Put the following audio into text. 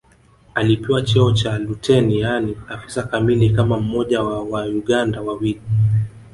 Alipewa cheo cha luteni yaani afisa kamili kama mmoja wa Wauganda wawili